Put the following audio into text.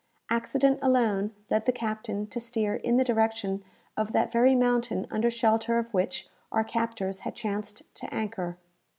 Accident alone led the captain to steer in the direction of that very mountain under shelter of which our captors had chanced to anchor.